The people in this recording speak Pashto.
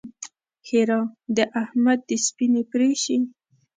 ښېرا: د احمد دې سپينې پرې شي!